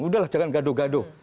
udah lah jangan gaduh gaduh